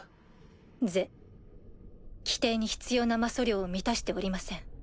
是規定に必要な魔素量を満たしておりません。